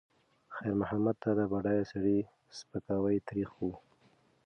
خیر محمد ته د بډایه سړي سپکاوی تریخ و.